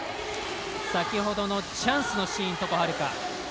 先ほどのチャンスのシーン床秦留可。